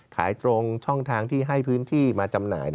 ขายตรงช่องทางที่ให้พื้นที่มาจำหน่าย